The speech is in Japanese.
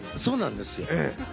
そうなんですよ。